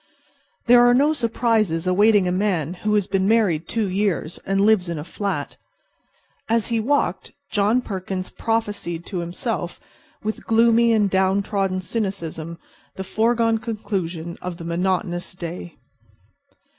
There are no surprises awaiting a man who has been married two years and lives in a flat. As he walked John Perkins prophesied to himself with gloomy and downtrodden cynicism the foregone conclusions of the monotonous day.